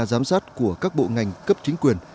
giám sát của các bộ ngành cấp chính quyền